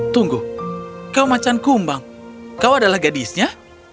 tunggu kau macan kumbang kau adalah gadisnya